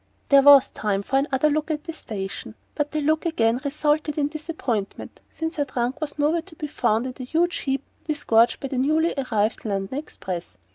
There was time for another look at the station; but the look again resulted in disappointment, since her trunk was nowhere to be found in the huge heap disgorged by the newly arrived London express.